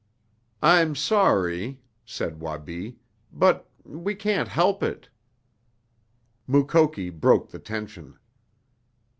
"I'm sorry," said Wabi. "But we can't help it." Mukoki broke the tension.